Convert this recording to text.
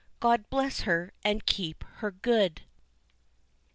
God bless her and keep her good!